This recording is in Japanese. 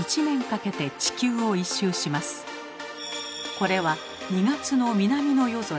これは２月の南の夜空。